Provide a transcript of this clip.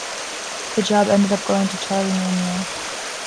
The job ended up going to Charlie Manuel.